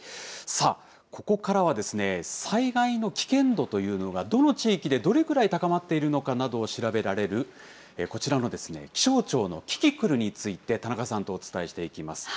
さあ、ここからは、災害の危険度というのが、どの地域でどれくらい高まっているのかなどを調べられる、こちらの気象庁のキキクルについて、田中さんとお伝えしていきます。